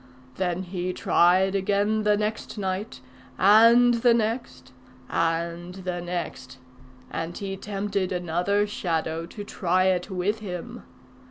Then he tried again the next night, and the next, and the next; and he tempted another Shadow to try it with him.